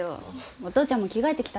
お父ちゃんも着替えてきたら？